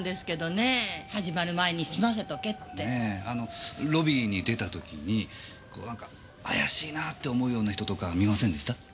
あのロビーに出た時にこう怪しいなぁって思うような人とか見ませんでした？